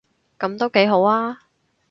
噉都幾好吖